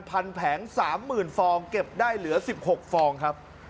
พันแผงสามหมื่นฟองเก็บได้เหลือสิบหกฟองครับ